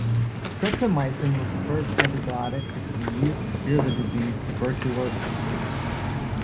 Streptomycin was the first antibiotic that could be used to cure the disease tuberculosis.